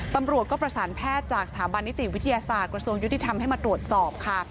ตำรวจก็ประสานแพทย์จากสถาบันนิติวิทยาศาสตร์กระทรวงยุติธรรมให้มาตรวจสอบค่ะ